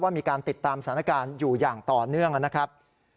มีการติดตามสถานการณ์อยู่อย่างต่อเนื่องนะครับ